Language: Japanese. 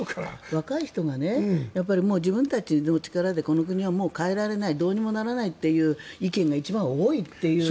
若い人が自分たちの力でこの国はもう変えられないどうにもならないという意見が一番多いという。